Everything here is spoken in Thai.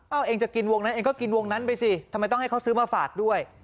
เอาเองจะกินวงนั้นเองก็กินวงนั้นไปสิทำไมต้องให้เขาซื้อมาฝากด้วย